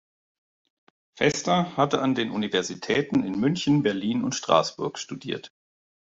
Fester hatte an den Universitäten in München, Berlin und Straßburg studiert.